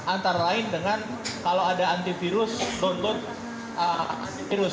antara lain dengan kalau ada antivirus download virus